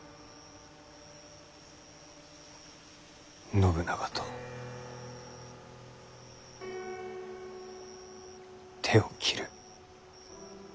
信長と手を切る。